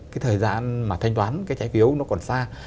cái thời gian mà thanh toán cái trái phiếu nó còn xa